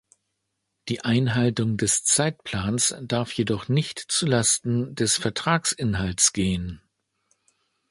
Die Einhaltung des Zeitplans darf jedoch nicht zu Lasten des Vertragsinhalts gehen.